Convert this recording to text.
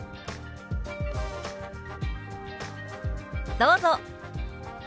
どうぞ！